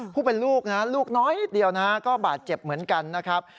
พวกเป็นลูกลูกน้อยเดียวก็บาดเจ็บเหมือนกันนะครับ